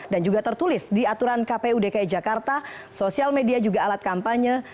juga tertulis di aturan kpu dki jakarta sosial media juga alat kampanye